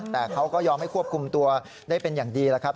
แต่เขาก็ยอมให้ควบคุมตัวได้เป็นอย่างดีแล้วครับ